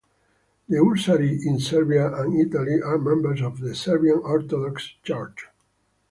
The Ursari in Serbia and Italy are members of the Serbian Orthodox Church.